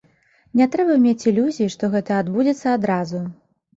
Не трэба мець ілюзій, што гэта адбудзецца адразу.